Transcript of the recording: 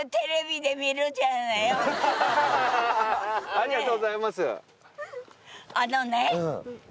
ありがとうございます。